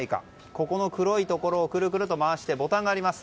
ここの黒いところをくるくると回してボタンがあります。